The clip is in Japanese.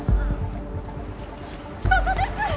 ここです！